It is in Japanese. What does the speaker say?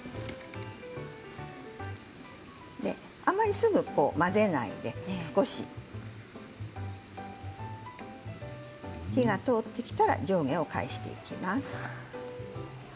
あまりすぐに混ぜないで少し火が通ってきたら上下を返していきます。